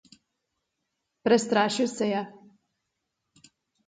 Prestrašil se je.